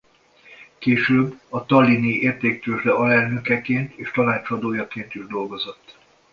Később a Tallinni Értéktőzsde alelnökeként és tanácsadójaként is dolgozott.